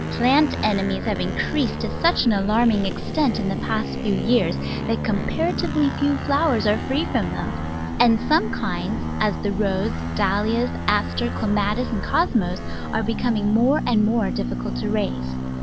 Plant enemies have increased to such an alarming extent in the past few years that comparatively few flowers are free from them, and Digitized by Google Twenty three] <&tft£ Attti <£lft£ H7 some kinds, as the Rose, Dahlia, Aster, Clematis, and Cosmos, are becoming more and more difficult to raise.